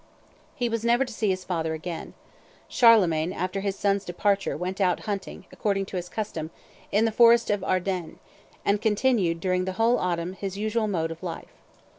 He was never to see his father again. Charlemagne, after his son's departure, went out hunting, according to his custom, in the forest of Ardenne, and continued during the whole autumn his usual mode of life.